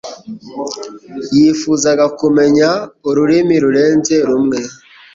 yifuzaga kumenya ururimi rurenze rumwe.